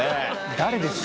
誰ですか？